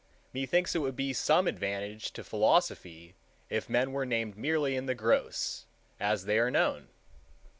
Methinks it would be some advantage to philosophy if men were named merely in the gross, as they are known.